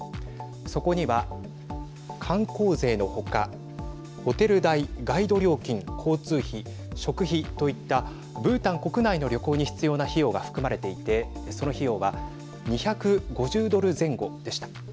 そこには観光税の他ホテル代、ガイド料金、交通費食費といったブータン国内の旅行に必要な費用が含まれていてその費用は２５０ドル前後でした。